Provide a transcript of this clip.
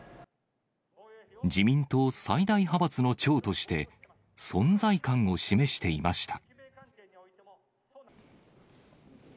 自民党最大派閥の長として、存在感を示していました。